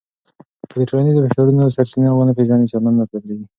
که د ټولنیزو فشارونو سرچینه ونه پېژنې، چلند نه بدلېږي.